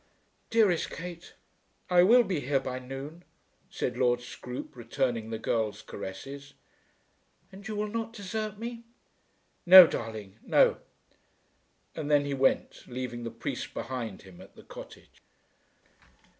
"Dearest Kate, I will be here by noon," said Lord Scroope, returning the girl's caresses. "And you will not desert me?" "No, darling, no." And then he went, leaving the priest behind him at the cottage.